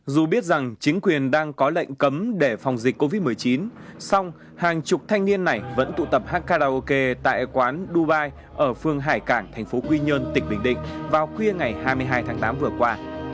dù biết rằng chính quyền đang có lệnh cấm để phòng dịch covid một mươi chín song hàng chục thanh niên này vẫn tụ tập hát karaoke tại quán dubai ở phương hải cảng tp quy nhơn tỉnh bình định vào khuya ngày hai mươi hai tháng tám vừa qua